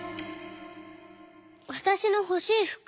「わたしのほしいふく。